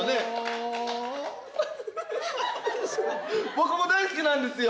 僕も大好きなんですよ。